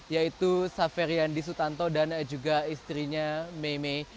yaitu saferi andi sutanto dan juga istrinya meimei